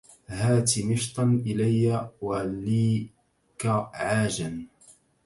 هات مشطا إلي وليك عاجا